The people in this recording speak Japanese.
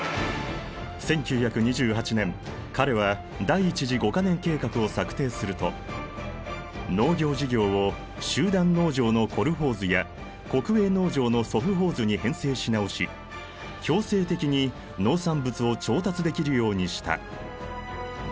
１９２８年彼は第一次五か年計画を策定すると農業事業を集団農場のコルホーズや国営農場のソフホーズに編成し直し強制的に農産物を調達できるようにした。